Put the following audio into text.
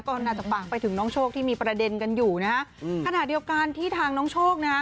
ก็นาจารย์บางไปถึงน้องโชคที่มีประเด็นกันอยู่นะคณะเดียวกันที่ทางน้องโชคนะ